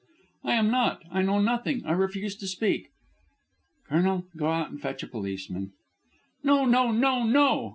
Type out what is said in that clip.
"I am not; I know nothing. I refuse to speak." "Colonel, go out and fetch a policeman." "No! No! No! No!"